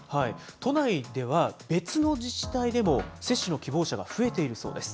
都内では、別の自治体でも接種の希望者が増えているそうです。